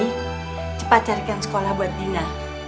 ini cepat carikan sekolah buat dina